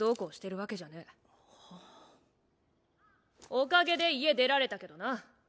おかげで家出られたけどな。